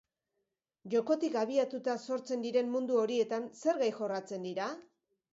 Jokotik abiatuta sortzen diren mundu horietan, zer gai jorratzen dira?